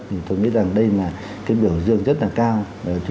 thì tôi nghĩ rằng đây là cái biểu dương rất là vất vả